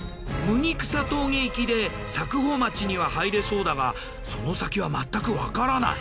麦草峠行きで佐久穂町には入れそうだがその先はまったくわからない。